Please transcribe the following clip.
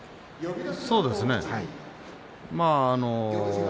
そうですね。